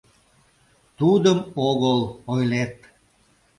Тудым огол ойлет...